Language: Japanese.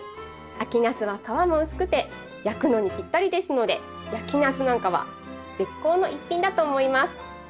秋ナスは皮も薄くて焼くのにぴったりですので焼きナスなんかは絶好の一品だと思います。